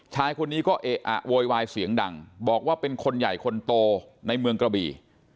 ชายคนนี้ก็เอะอะโวยวายเสียงดังบอกว่าเป็นคนใหญ่คนโตในเมืองกระบี่